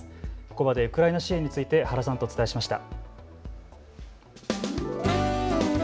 ここまでウクライナ支援について原さんとお伝えしました。